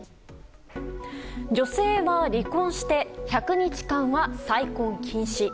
女性は離婚して１００日間は再婚禁止。